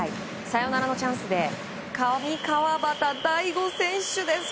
サヨナラのチャンスで上川畑大悟選手です。